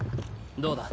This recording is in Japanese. どうだ？